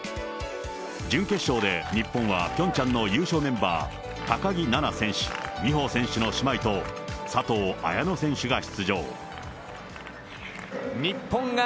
準決勝で日本は、ピョンチャンの優勝メンバー、高木菜那選手、美帆選手の姉妹と、佐藤綾乃選手が出場。